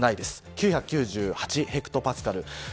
９９８ヘクトパスカルです。